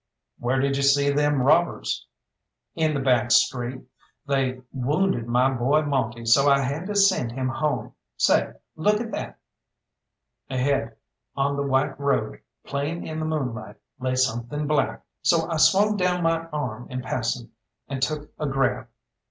"Where did you see them robbers?" "In the back street. They wounded my boy Monte, so I had to send him home. Say, look at that!" Ahead on the white road, plain in the moonlight, lay something black, so I swung down my arm in passing, and took a grab.